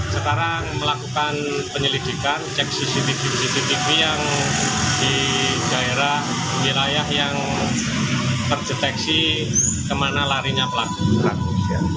sekarang melakukan penyelidikan cek cctv yang di daerah wilayah yang terdeteksi kemana larinya pelaku